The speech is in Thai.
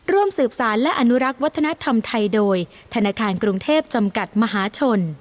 ร่วมสืบสารและอนุรักษ์วัฒนธรรมไทยโดยธนาคารกรุงเทพจำกัดมหาชน